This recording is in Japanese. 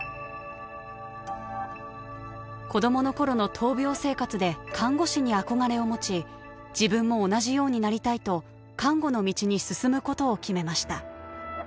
子どものころの闘病生活で看護師に憧れを持ち自分も同じようになりたいと看護の道に進むことを決めました。